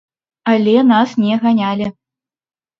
Але нас не ганялі.